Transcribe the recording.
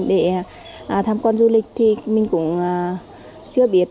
để tham quan du lịch thì mình cũng chưa biết